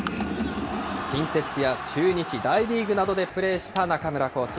近鉄や中日、大リーグなどでプレーした中村コーチ。